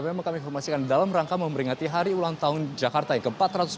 memang kami informasikan dalam rangka memberingati hari ulang tahun jakarta yang ke empat ratus empat puluh